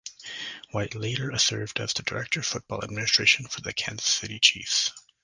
White later served as the Director of Football Administration for the Kansas City Chiefs.